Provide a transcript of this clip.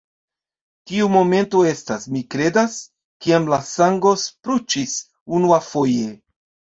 Tiu momento estas, mi kredas, kiam la sango spruĉis unuafoje.